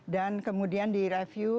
dan kemudian di review